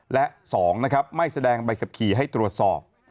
และ๒ไม่แสดงใบขับขี่ให้ตรวจสอบ